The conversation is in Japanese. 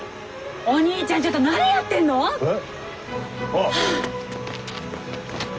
お兄ちゃんちょっと何やってんの！？え？ああ。